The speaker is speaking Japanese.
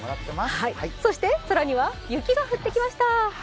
そして空には雪が降ってきました。